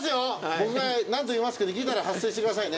僕が何と言いますか？と聞いたら発声してくださいね。